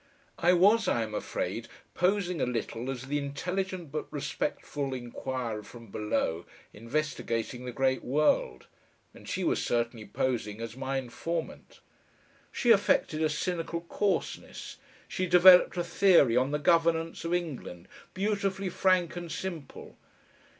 I was, I am afraid, posing a little as the intelligent but respectful inquirer from below investigating the great world, and she was certainly posing as my informant. She affected a cynical coarseness. She developed a theory on the governance of England, beautifully frank and simple.